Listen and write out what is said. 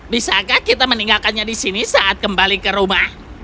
bisakah kita meninggalkannya di sini saat kembali ke rumah